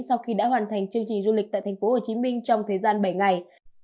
sau khi đã hoàn thành chương trình du lịch tại thành phố hồ chí minh trong thời gian bảy ngày